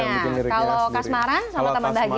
nah kalau kas maran sama teman bahagia